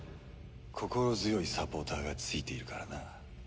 心強いサポーターがついているからな。